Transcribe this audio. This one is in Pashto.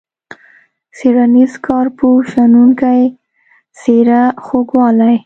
څیړنیز، کارپوه ، شنونکی ، څیره، خوږوالی.